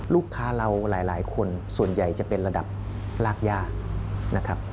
ลูกค้าเราหลายคนส่วนใหญ่จะเป็นระดับรากย่านะครับ